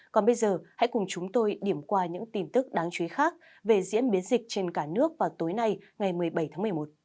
còn bây giờ hãy cùng chúng tôi điểm qua những tin tức đáng chú ý khác về diễn biến dịch trên cả nước vào tối nay ngày một mươi bảy tháng một mươi một